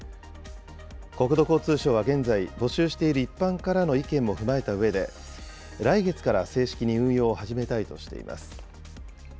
国土交通省は現在、募集している一般からの意見も踏まえたうえで、来月から正式に運用を始めたいとしています。